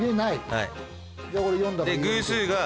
はい。